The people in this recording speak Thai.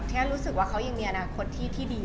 ถ้ายังรู้สึกว่าเขายังมีอนาคตที่ดีได้